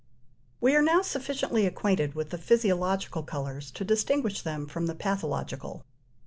We are now sufficiently acquainted with the physiological colours to distinguish them from the pathological.